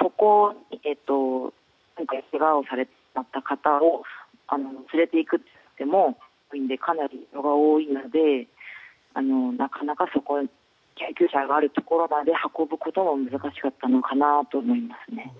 そこまで、けがをされた方を連れていくにもかなり人が多いのでなかなか救急車があるところまで運ぶことも難しかったのかなと思いますね。